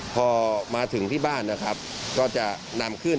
พอมาถึงที่บ้านนะครับก็จะนำขึ้น